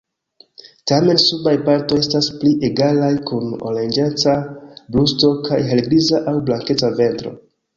Tamen subaj partoj estas pli egalaj kun oranĝeca brusto kaj helgriza aŭ blankeca ventro.